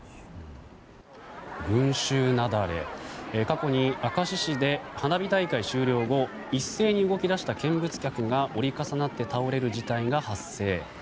過去に明石市で花火大会終了後一斉に動き出した見物客が折り重なって倒れる事態が発生。